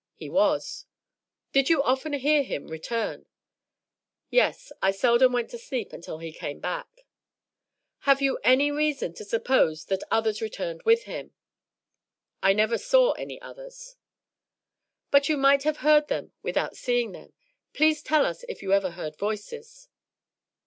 "He was." "Did you often hear him return?" "Yes; I seldom went to sleep until he came back." "Had you any reason to suppose that others returned with him?" "I never saw any others." "But you might have heard them without seeing them. Please tell us if you ever heard voices."